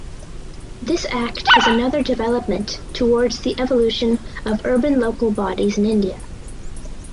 This act has another development towards the evolution of urban local bodies in India.